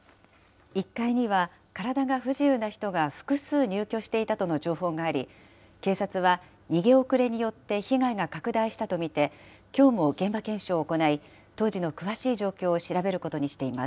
１階には体が不自由な人が複数入居していたとの情報があり、警察は逃げ遅れによって被害が拡大したと見て、きょうも現場検証を行い、当時の詳しい状況を調べることにしています。